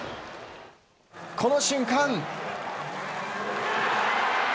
この瞬間。